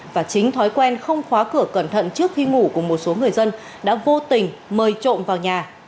và chính thói quen không khóa cửa cẩn thận trước khi ngủ của một số người dân đã vô tình mời trộm vào nhà